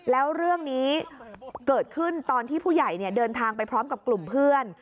แล้วเรื่องนี้เกิดขึ้นตอนที่ผู้ใหญ่เดินทางไปพร้อมกับกลุ่มเพื่อน